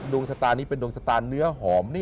ดวงชะตานี้เป็นดวงชะตาเนื้อหอม